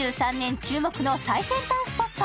注目の最先端スポット。